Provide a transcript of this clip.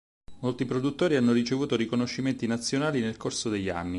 Molti produttori hanno ricevuto riconoscimenti nazionali nel corso degli anni.